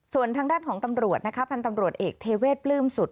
ส่วนทางด้านของตำรวจนะคะพันธ์ตำรวจเอกเทเวศปลื้มสุด